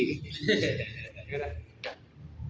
jangan lupa subscribe channel ini